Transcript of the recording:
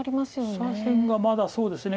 左辺がまだそうですね